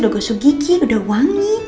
udah gosok gigi udah wangi